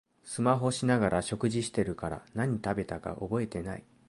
スマホしながら食事してるから何食べたか覚えてない